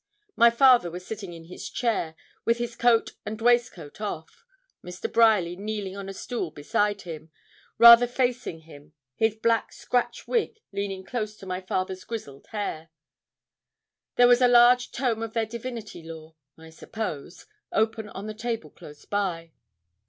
My father was sitting in his chair, with his coat and waistcoat off, Mr. Bryerly kneeling on a stool beside him, rather facing him, his black scratch wig leaning close to my father's grizzled hair. There was a large tome of their divinity lore, I suppose, open on the table close by.